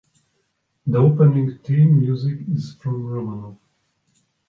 The opening theme music is from Romanov.